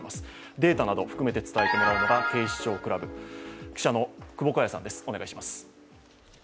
データなどを含めて伝えてもらうのが警視庁クラブ記者の窪小谷さんです。